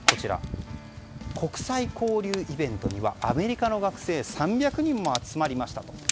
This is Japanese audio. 国際交流イベントにはアメリカの学生３００人も集まりましたと。